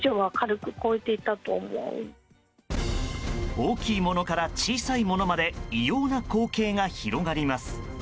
大きいものから小さいものまで異様な光景が広がります。